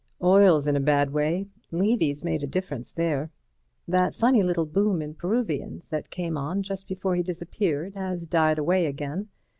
"Oil's in a bad way. Levy's made a difference there. That funny little boom in Peruvians that came on just before he disappeared has died away again.